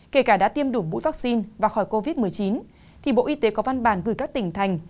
kể cả đã tiêm đủ mũi vaccine và khỏi covid một mươi chín thì bộ y tế có văn bản gửi các tỉnh thành